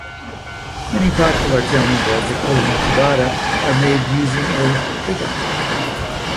Many popular Italian breads, including ciabatta, are made using a "biga".